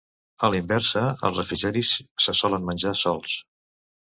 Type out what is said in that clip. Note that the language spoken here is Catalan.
A la inversa, els refrigeris se solen menjar sols.